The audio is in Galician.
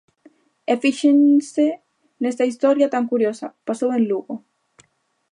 E fíxense nesta historia tan curiosa: pasou en Lugo.